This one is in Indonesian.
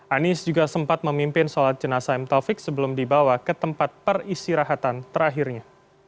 anies juga sempat memimpin sholat jenazah m taufik sebelum dibawa ke tempat peristirahatan terakhirnya